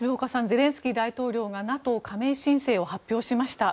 ゼレンスキー大統領がＮＡＴＯ加盟申請を発表しました。